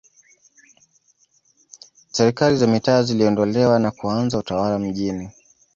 Serikali za mitaa ziliondolewa na kuanza Utawala mijini